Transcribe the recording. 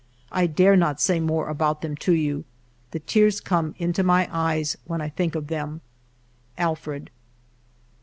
I dare not say more about them to you ; the tears come into my eyes when I think of them. Alfred.'